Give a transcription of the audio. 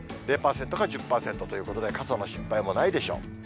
０％か１０％ということで、傘の心配もないでしょう。